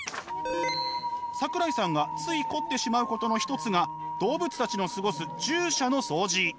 桜井さんがつい凝ってしまうことの一つが動物たちの過ごす獣舎のそうじ。